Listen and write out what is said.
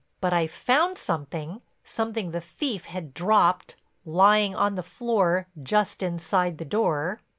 "But I found something, something the thief had dropped, lying on the floor just inside the door."